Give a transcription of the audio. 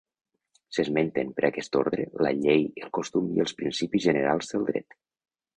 S'esmenten, per aquest ordre, la llei, el costum i els principis generals del dret.